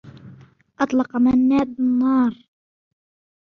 أطلق منّاد النّار.